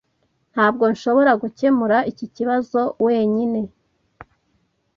Ntabwo nshobora gukemura iki kibazo wenyine.